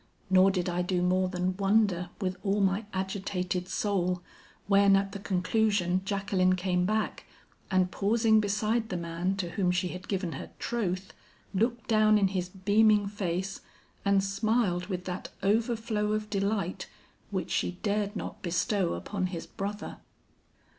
Nor did I do more than wonder with all my agitated soul, when at the conclusion Jacqueline came back, and pausing beside the man to whom she had given her troth, looked down in his beaming face and smiled with that overflow of delight, which she dared not bestow upon his brother.